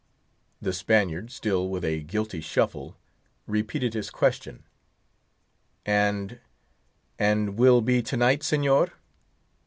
The Spaniard, still with a guilty shuffle, repeated his question: "And—and will be to night, Señor?"